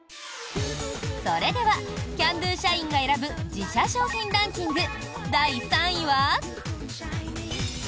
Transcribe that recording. それではＣａｎ★Ｄｏ社員が選ぶ自社商品ランキング第３位は。